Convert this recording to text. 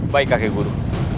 baik kakek gue